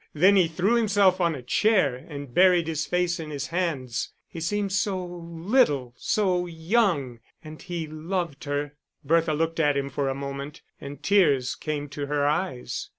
Then he threw himself on a chair and buried his face in his hands. He seemed so little, so young and he loved her. Bertha looked at him for a moment, and tears came to her eyes.